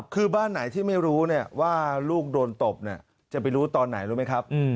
คือบ้านไหนที่ไม่รู้ว่าลูกโดนตบจะไปรู้ตอนไหนรู้ไหมครับ